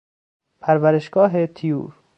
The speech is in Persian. پرورشگاه طیور